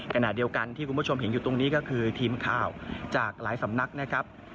ขณะเดียวกันที่คุณผู้ชมเห็นอยู่ตรงนี้ก็คือทีมข่าวจากหลายสำนักนะครับ